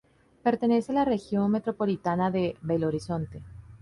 Pertenece a la Región Metropolitana de Belo Horizonte.